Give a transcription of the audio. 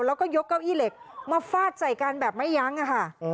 แล้วก็ยกเก้าอี้เหล็กมาฟาดใส่กันแบบไม่ยั้งอะค่ะ